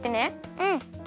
うん。